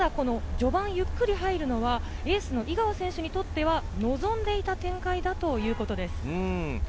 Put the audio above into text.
ただ、序盤ゆっくり入るのはエースの井川選手にとっては望んでいた展開だということです。